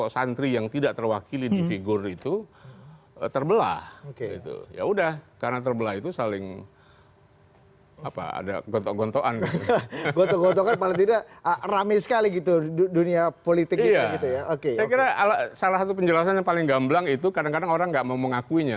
saya kira salah satu penjelasan yang paling gamblang itu kadang kadang orang nggak mau mengakuinya